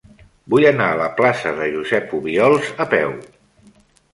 Vull anar a la plaça de Josep Obiols a peu.